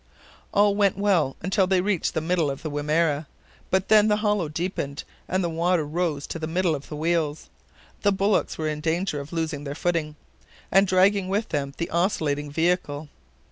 All went well till they reached the middle of the Wimerra, but then the hollow deepened, and the water rose to the middle of the wheels. The bullocks were in danger of losing their footing, and dragging with them the oscillating vehicle.